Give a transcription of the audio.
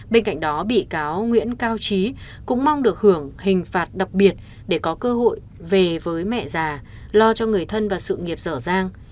bên cạnh đó bị cáo nguyễn cao trí cũng mong được hưởng hình phạt đặc biệt để có cơ hội về với mẹ già lo cho người thân và sự nghiệp dở dang